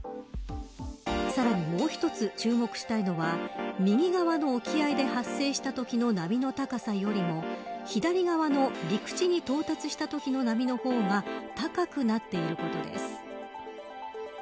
さらに、もう一つ注目したいのは右側の沖合で発生したときの波の高さよりも左側の陸地に到達したときの方が高くなっていることです。